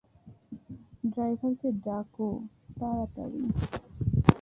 ড্রাইভারকে ডাকো, তাড়াতাড়ি।